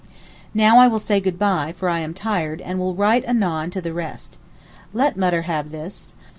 Now I will say good bye, for I am tired, and will write anon to the rest. Let Mutter have this.